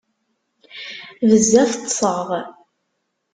Bezzaf ṭṭseɣ.